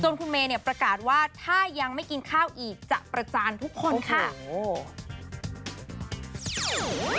คุณเมย์เนี่ยประกาศว่าถ้ายังไม่กินข้าวอีกจะประจานทุกคนค่ะ